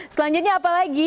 selanjutnya apa lagi